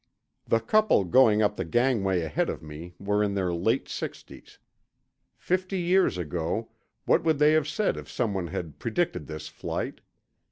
The couple going up the gangway ahead of me were in their late sixties. Fifty years ago, what would they have said if someone had predicted this flight?